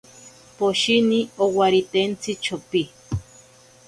Poshini owaritentsi chopi.